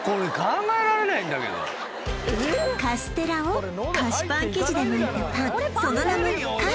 カステラを菓子パン生地で巻いたパン